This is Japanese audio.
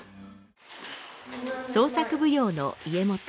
創作舞踊の家元